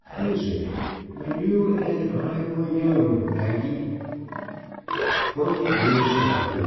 (Music: "When You and I Were Young, Maggie.") "TWENTY YEARS AFTER